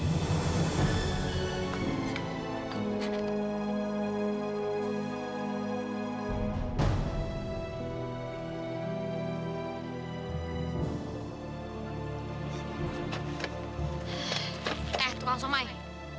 eh tukang somai